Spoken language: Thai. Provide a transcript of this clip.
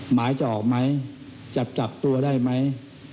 หมายจะออกไหมจับตัวได้ไหม